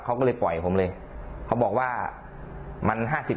เขาก็เลยปล่อยผมเลยเขาบอกว่ามันห้าสิบ